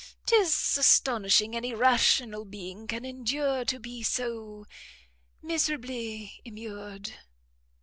'Tis astonishing any rational being can endure to be so miserably immured."